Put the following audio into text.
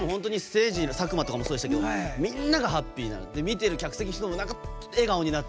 ただ、佐久間とかもそうでしたけどみんながハッピーになって見てる客席の人も笑顔になって。